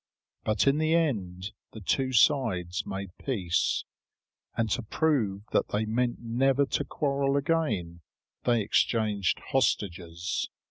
But in the end the two sides made peace; and to prove that they meant never to quarrel again, they exchanged hostages.